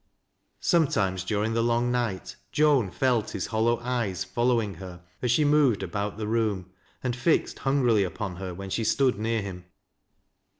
Sometimes during the long night Joan felt his hollow syea following her as she moved about the room, and fixed hungrily upon her when she stood near him.